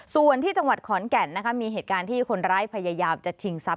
ส่วนที่จังหวัดขอนแก่นนะคะมีเหตุการณ์ที่คนร้ายพยายามจะชิงทรัพย